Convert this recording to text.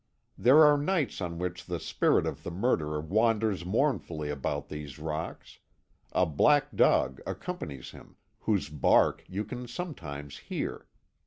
There are nights on which the spirit of the murderer wanders mournfully about these rocks; a black dog accompanies him, whose bark you can sometimes hear.